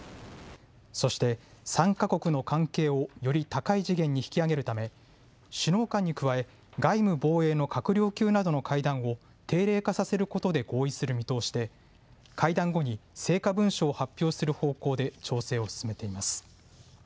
そして３か国の関係をより高い次元に引き上げるため首脳間に加え外務防衛の閣僚級などの会談を定例化させることで合意する見通しで会談後に成果文書を発表する方向で調整を進めています。